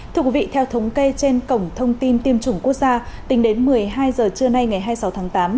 thưa quý vị theo thống kê trên cổng thông tin tiêm chủng quốc gia tính đến một mươi hai h trưa nay ngày hai mươi sáu tháng tám